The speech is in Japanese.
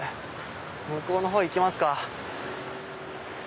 向こうのほう行きますか。